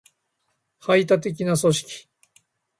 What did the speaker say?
排他的な組織